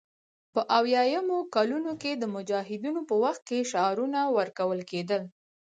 په اویایمو کلونو کې د مجاهدینو په وخت کې شعارونه ورکول کېدل